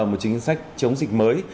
các chính sách chống dịch mới